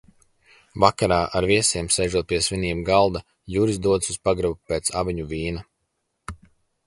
Vakarā, ar viesiem sēžot pie svinību galda, Juris dodas uz pagrabu pēc aveņu vīna.